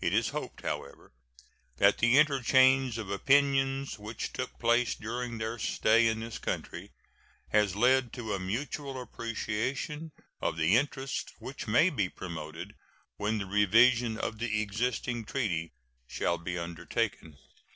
It is hoped, however, that the interchange of opinions which took place during their stay in this country has led to a mutual appreciation of the interests which may be promoted when the revision of the existing treaty shall be undertaken.